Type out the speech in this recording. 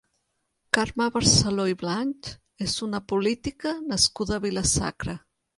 Carme Barceló i Blanch és una política nascuda a Vila-sacra.